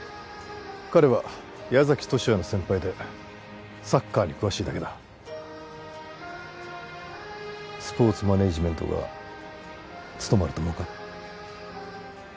彼は矢崎十志也の先輩でサッカーに詳しいだけだスポーツマネジメントが務まると思うか？